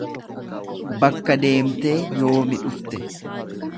Bakka deemtee yoomi dhufte.